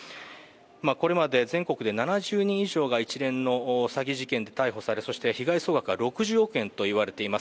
これまで全国で７０人以上が一連の詐欺事件で逮捕され、被害総額は６０億円と言われています。